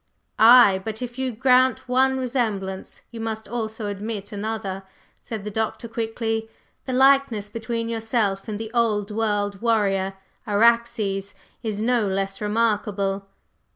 "Ay, but if you grant one resemblance, you must also admit another," said the Doctor quickly. "The likeness between yourself and the old world warrior, Araxes, is no less remarkable!"